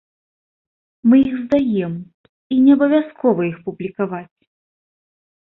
Мы іх здаем, і неабавязкова іх публікаваць.